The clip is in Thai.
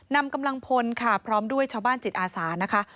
นำกำลังพลค่ะพร้อมด้วยชาวบ้านจิตอาสานะคะ